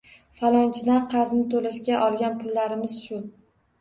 Falonchidan qarzni toʻlashga olgan pullarimiz shu